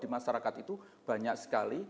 di masyarakat itu banyak sekali